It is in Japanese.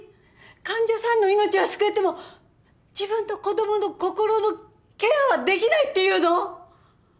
患者さんの命は救えても自分の子どもの心のケアはできないっていうの！？